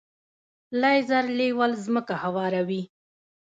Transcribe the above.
لیزر لیول ځمکه هواروي.